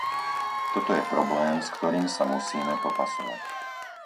Toto je problém, s ktorým sa musíme popasovať.